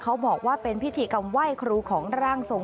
เขาบอกว่าเป็นพิธีกรรมไหว้ครูของร่างทรง